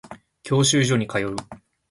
教習所に通う